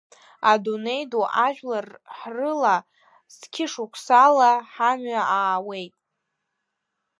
Адунеи ду ажәлар ҳрыла, зқьышықәсала ҳамҩа аауеит.